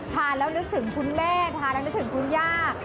ทานแล้วนึกถึงคุณแม่ทานแล้วนึกถึงคุณย่า